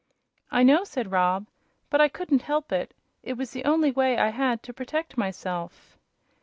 "I know," said Rob; "but I couldn't help it. It was the only way I had to protect myself."